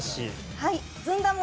はい。